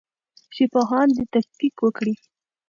ژبپوهان دي تحقیق وکړي.